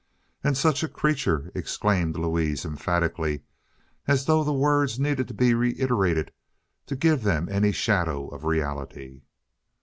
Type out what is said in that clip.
"And such a creature!" exclaimed Louise emphatically, as though the words needed to be reiterated to give them any shadow of reality.